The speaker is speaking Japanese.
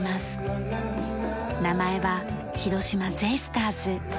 名前は広島ゼイスターズ。